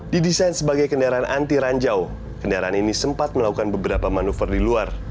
didesain sebagai kendaraan anti ranjau kendaraan ini sempat melakukan beberapa manuver di luar